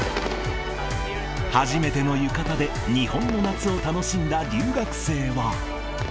初めての浴衣で日本の夏を楽しんだ留学生は。